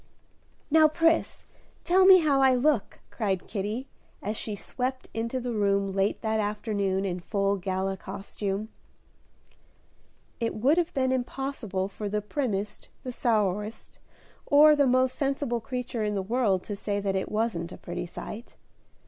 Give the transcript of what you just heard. "Now, Pris, tell me how I look," cried Kitty, as she swept into the room late that afternoon in full gala costume. It would have been impossible for the primmest, the sourest, or the most sensible creature in the world to say that it wasn't a pretty sight.